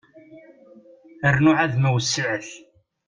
Rnu ɛad ma wessiɛet.